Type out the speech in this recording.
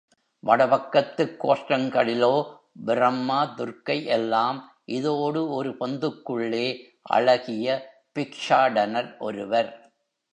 வட பக்கத்துக் கோஷ்டங்களிலோ பிரம்மா, துர்க்கை எல்லாம் இதோடு ஒரு பொந்துக்குள்ளே அழகிய பிக்ஷாடனர் ஒருவர்.